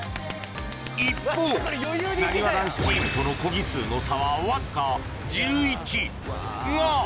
一方なにわ男子チームとのコギ数の差はわずか１１が！